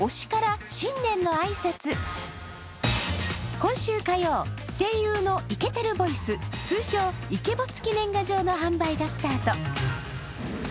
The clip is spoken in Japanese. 今週火曜、声優のイケてるボイス通称・イケボつき年賀状の販売がスタート。